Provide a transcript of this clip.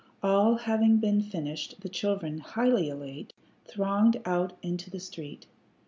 All having been finished, the children, highly elate, thronged out into the street.